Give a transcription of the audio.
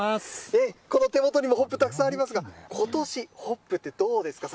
この手元にもホップ、たくさんありますが、ことし、ホップって、どうですか？